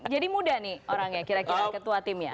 jadi muda nih orangnya kira kira ketua timnya